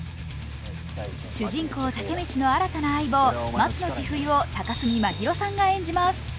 主人公・タケミチの新たな相棒、松野千冬を高杉真宙さんが演じます。